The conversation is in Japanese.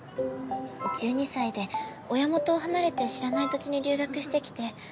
１２歳で親元を離れて知らない土地に留学してきて。